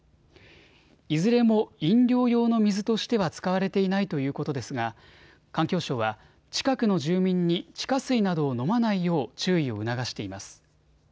いずれも飲料用の水としては使われていないということですが環境省は、近くの住民に地下水などを飲まないよう注意を促しています。